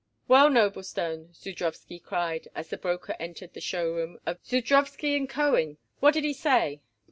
"Well, Noblestone," Zudrowsky cried, as the broker entered the show room of Zudrowsky & Cohen, "what did he say?"